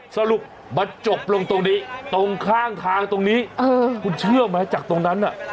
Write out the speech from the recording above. สรุปมาจบลงตรงนี้ตรงข้างทางตรงนี้คุณเชื่อไหมจากตรงนั้นน่ะ